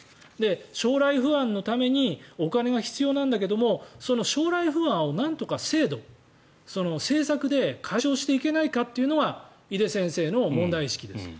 将来不安のためにお金が必要なんだけども将来不安をなんとか制度、政策で解消していけないかっていうのが井手先生の問題意識です。